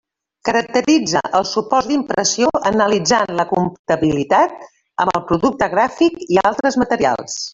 Caracteritza els suports d'impressió analitzant la compatibilitat amb el producte gràfic i altres materials.